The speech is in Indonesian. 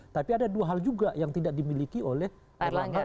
tapi ada dua hal juga yang tidak dimiliki oleh erlangga